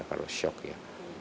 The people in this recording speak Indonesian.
terus shock ya